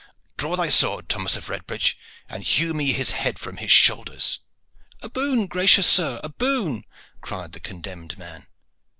Draw thy sword, Thomas of Redbridge, and hew me his head from his shoulders." "A boon, gracious sir, a boon!" cried the condemned man.